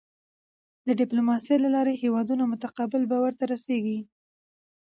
د ډیپلوماسی له لارې هېوادونه متقابل باور ته رسېږي.